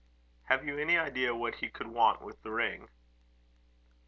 "Have you any idea what he could want with the ring?"